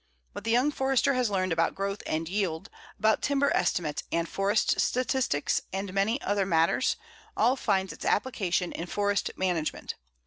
What the young Forester has learned about growth and yield, about timber estimates and forest statistics, and many other matters, all finds its application in forest management.